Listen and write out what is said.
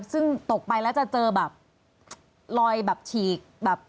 ซึ่งตกไปแล้วจะเจอแบบลอยแบบฉีกแบบ